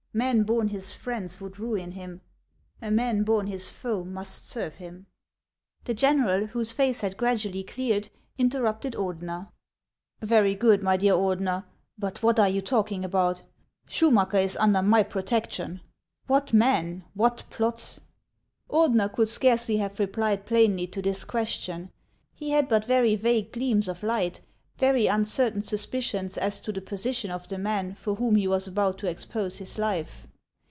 Men born his friends, would ruin him ; a man born his foe, must serve him." The general, whose face had gradually cleared, inter rupted Ordener. " Very good, my dear Ordener. But what are you talk ing about ? Schumacker is under my protection. What men ? What plots ?" HANS OF ICELAND. 125 Ordeuer could scarcely have replied plainly to this question. He had but very vague gleams of light, very uncertain suspicions as to the position of the man for whom he was about to expose his life.